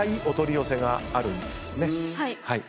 はい。